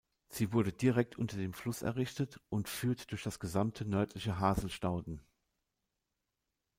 Sie wurde direkt unter dem Fluss errichtet und führt durch das gesamte nördliche Haselstauden.